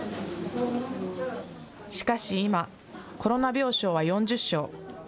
しかし今、コロナ病床は４０床。